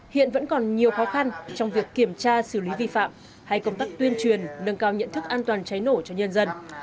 hiện vẫn còn nhiều khó khăn trong việc kiểm tra xử lý vi phạm hay công tác tuyên truyền nâng cao nhận thức an toàn cháy nổ cho nhân dân